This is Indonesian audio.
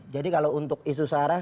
jadi kalau untuk isu sara